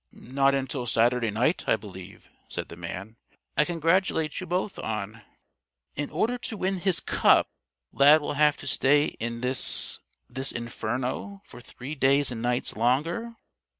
"Not until Saturday night, I believe," said the man. "I congratulate you both on " "In order to win his cup, Lad will have to stay in this this inferno for three days and nights longer?"